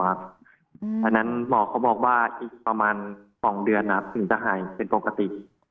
เพราะฉะนั้นหมอเขาบอกว่าอีกประมาณ๒เดือนถึงจะหายเป็นปกติ